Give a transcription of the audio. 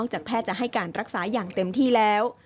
จะให้การรักษาอย่างเต็มที่แล้ว